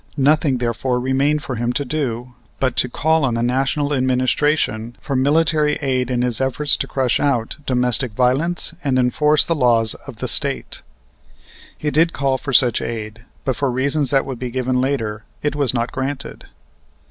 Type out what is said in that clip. Nothing, therefore, remained for him to do but to call on the National administration for military aid in his efforts to crush out domestic violence and enforce the laws of the State. He did call for such aid, but for reasons that will be given later it was not granted.